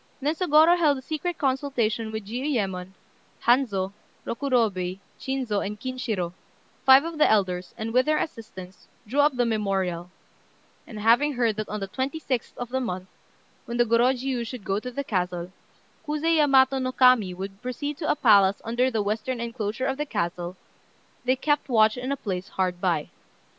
Then Sôgorô held a secret consultation with Jiuyémon, Hanzô, Rokurobei, Chinzô, and Kinshirô, five of the elders, and, with their assistance, drew up the memorial; and having heard that on the 26th of the month, when the Gorôjiu should go to the castle, Kuzé Yamato no Kami would proceed to a palace under the western enclosure of the castle, they kept watch in a place hard by.